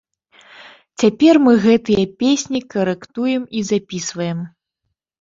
Цяпер мы гэтыя песні карэктуем і запісваем.